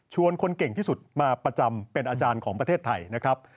คนเก่งที่สุดมาประจำเป็นอาจารย์ของประเทศไทยนะครับ